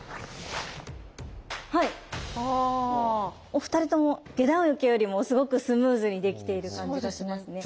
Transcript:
お二人とも下段受けよりもすごくスムーズにできている感じがしますね。